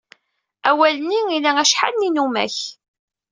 Awal-nni ila acḥal n yinumak.